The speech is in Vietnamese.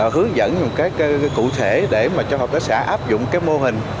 hướng dẫn một cái cụ thể để mà cho hợp tác xã áp dụng cái mô hình